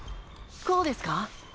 こうですか？